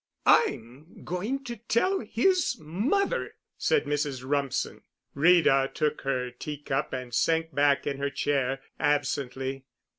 "I'm going to tell his mother," said Mrs. Rumsen. Rita took her tea cup and sank back in her chair absently.